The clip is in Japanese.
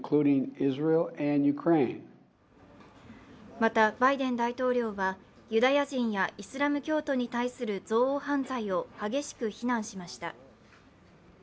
またバイデン大統領はユダヤ人やイスラム教徒に対する憎悪犯罪を激しく非難しました。